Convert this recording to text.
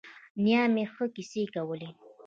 نیا مې ښه کیسې کولې.